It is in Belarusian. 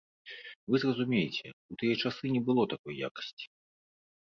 Вы зразумейце, у тыя часы не было такой якасці.